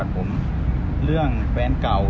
คุณพี่ตะเนื้อข่าว